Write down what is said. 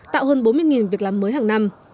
tạo hơn bốn mươi việc làm mới hàng năm